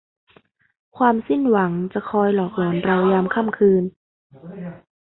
ความสิ้นหวังจะคอยหลอกหลอนเรายามค่ำคืน